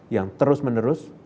yang terus menerus